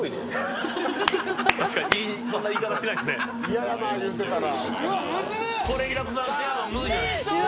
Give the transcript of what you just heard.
嫌やな、言うてたら。